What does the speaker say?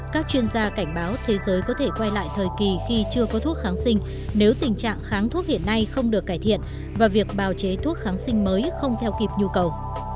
các chuyên gia cảnh báo thế giới có thể quay lại thời kỳ khi chưa có thuốc kháng sinh nếu tình trạng kháng thuốc hiện nay không được cải thiện và việc bào chế thuốc kháng sinh mới không theo kịp nhu cầu